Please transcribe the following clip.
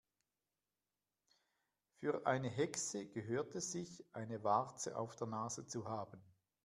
Für eine Hexe gehört es sich, eine Warze auf der Nase zu haben.